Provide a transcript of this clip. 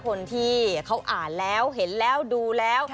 คนที่เขาอ่านแล้วเห็นแล้วดูแล้ว